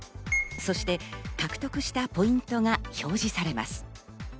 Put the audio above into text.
そして獲得したポイントが表示されます。